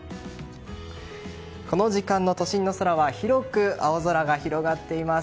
この時間の都心の空は広く青空が広がっています。